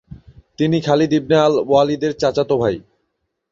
তিনি Khalid ibn আল-ওয়ালিদের চাচাতো ভাই।